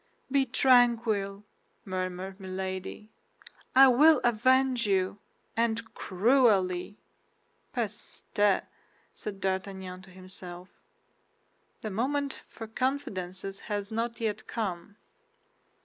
"Be tranquil," murmured Milady; "I will avenge you—and cruelly!" "Peste!" said D'Artagnan to himself, "the moment for confidences has not yet come."